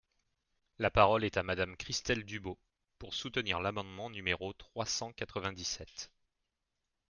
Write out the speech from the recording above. La parole est à Madame Christelle Dubos, pour soutenir l’amendement numéro trois cent quatre-vingt-dix-sept.